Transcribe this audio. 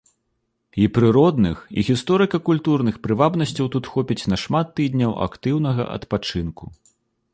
І прыродных і гісторыка-культурных прывабнасцяў тут хопіць на шмат тыдняў актыўнага адпачынку.